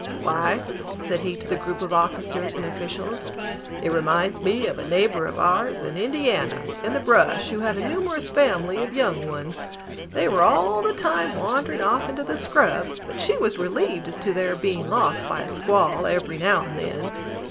"Why," said he to the group of officers and officials, "it reminds me of a neighbor of ours, in Indiana, in the brush, who had a numerous family of young ones. They were all the time wandering off into the scrub, but she was relieved as to their being lost by a squall every now and then.